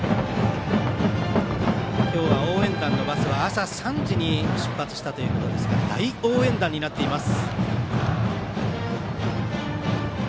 今日は応援団のバスは朝３時に出発したということですが大応援団になっています。